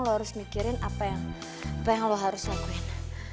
lo harus mikirin apa yang lo harus lakuin